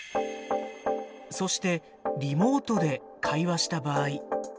そしてリモートで会話した場合。